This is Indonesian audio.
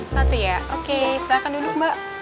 satu ya oke saya akan duduk mbak